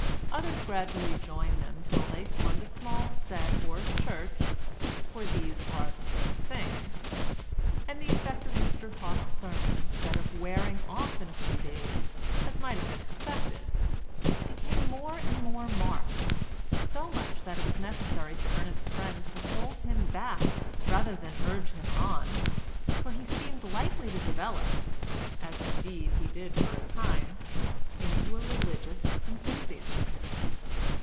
Others gradually joined them till they formed a small set or church (for these are the same things), and the effect of Mr Hawke's sermon instead of wearing off in a few days, as might have been expected, became more and more marked, so much so that it was necessary for Ernest's friends to hold him back rather than urge him on, for he seemed likely to develop—as indeed he did for a time—into a religious enthusiast.